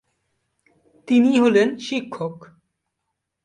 তিনি হলেন "শিক্ষক"।